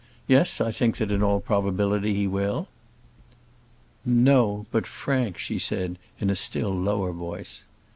Yes, I think that in all probability he will." "No; but Frank," she said, in a still lower voice.